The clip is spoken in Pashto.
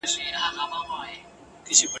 چي زه الوزم پر تاسي څه قیامت دی !.